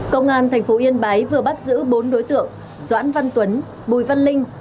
công an thành phố yên bái vừa bắt giữ bốn đối tượng doãn văn tuấn bùi văn linh